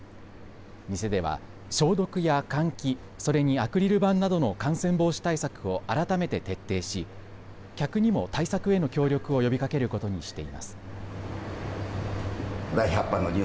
店では消毒や換気、それにアクリル板などの感染防止対策を改めて徹底し客にも対策への協力を呼びかけることにしています。